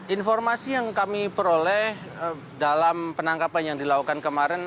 informasi yang kami peroleh dalam penangkapan yang dilakukan kemarin